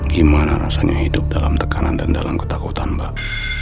gimana rasanya hidup dalam tekanan dan dalam ketakutan mbak